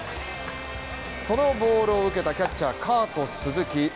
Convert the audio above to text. そのボールを受けたキャッチャーカート・スズキ。